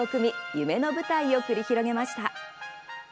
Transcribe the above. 夢の舞台を繰り広げました。